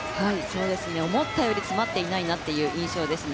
思ったより詰まっていないなという印象ですね。